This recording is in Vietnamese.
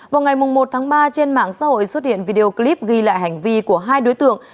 vào ngày một tháng ba trên mạng xã hội xuất hiện video clip ghi lại hành vi của hai đối tượng